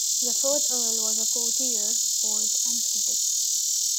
The fourth Earl was a courtier, poet and critic.